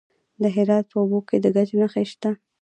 د هرات په اوبې کې د ګچ نښې شته.